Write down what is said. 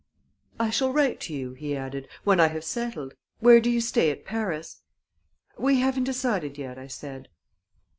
"I shall write to you," he added, "when I have settled. Where do you stay at Paris?" "We haven't decided yet," I said.